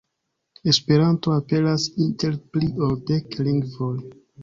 Esperanto aperas inter pli ol dek lingvoj.